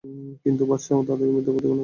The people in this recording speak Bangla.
কিন্তু বাদশাহ তাদেরকে মিথ্যা প্রতিপন্ন করে।